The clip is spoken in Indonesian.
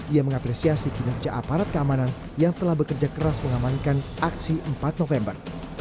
ia mengapresiasi kinerja aparat keamanan yang telah bekerja keras mengamankan aksi empat november